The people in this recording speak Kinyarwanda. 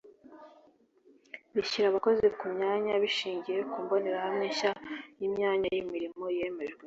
bishyira abakozi mu myanya bishingiye ku mbonerahamwe nshya y imyanya y imirimo yemejwe